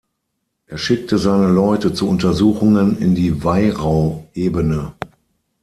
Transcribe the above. Er schickte seine Leute zu Untersuchungen in die Wairau-Ebene.